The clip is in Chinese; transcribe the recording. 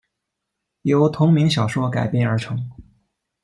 由同名小说改编而成。